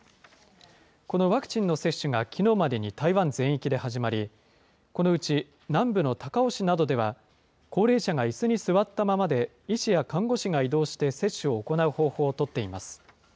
このワクチンの接種がきのうまでに台湾全域で始まり、このうち南部の高雄市などでは、高齢者がいすに座ったままで、医師や看護師が移動して接種を行う方法を取っています。